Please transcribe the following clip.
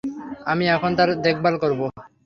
আমি এখন তার দেখভাল করবো।